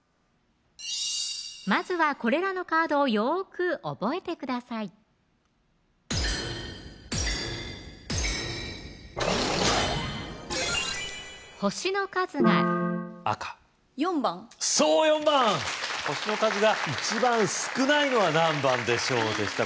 まずはこれらのカードをよく覚えてください星の数が赤４番そう４番星の数が１番少ないのは何番でしょうでした